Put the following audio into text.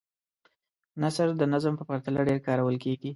نثر د نظم په پرتله ډېر کارول کیږي.